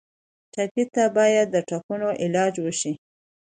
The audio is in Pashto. ټپي ته باید د ټپونو علاج وشي.